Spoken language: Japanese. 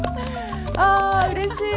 あうれしい！